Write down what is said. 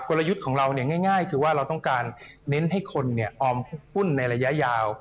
ลยุทธ์ของเราเนี่ยง่ายคือว่าเราต้องการเน้นให้คนออมหุ้นในระยะยาว